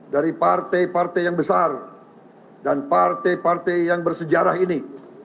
dari partai partai yang besar dan partai partai yang bersejarah ini